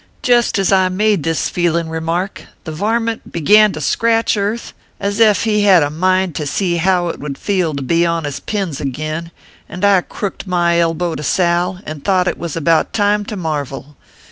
Jest as I made this feelin remark, the var mint began to scratch earth as ef he had a mind to ORPHEUS C. KERIl PAPERS. 19 see how it would feel to be on his pins ag in, and I crooked my elbow to Sal and thought it was about time to marvel.